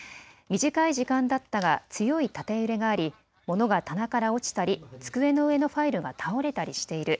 短い時間だったが強い縦揺れがあり、物が棚から落ちたり机の上のファイルが倒れたりしている。